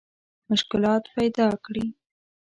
مشکلات پیدا کړي.